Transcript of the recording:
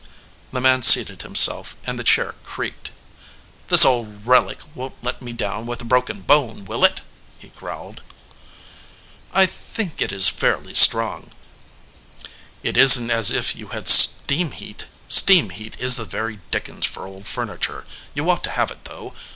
The man seated himself and the chair creaked. "This old relic won t let me down with a broken bone, will it?" he growled. "I think it is fairly strong." "It isn t as if you had steam heat. Steam heat is the very dickens for old furniture. You ought to have it, though.